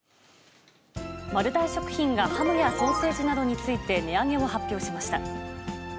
丸大食品は、ハムやソーセージなどについて、値上げを発表しました。